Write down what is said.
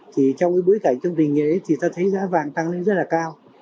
thì trong cái bối cảnh trong tình nghiệp ấy thì ta thấy giá vàng tăng lên rất là cao